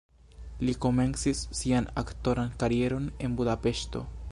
Li komencis sian aktoran karieron en Budapeŝto.